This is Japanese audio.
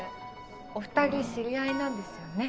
おふたり知り合いなんですよね。